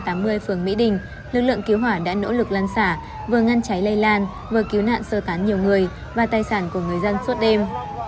trước diễn biến phức tạp lực lượng cứu hỏa đã nỗ lực lăn xả vừa ngăn cháy lây lan vừa cứu nạn sơ tán nhiều người và tài sản của người dân suốt đêm